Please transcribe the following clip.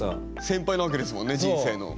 先輩なわけですもんね人生の。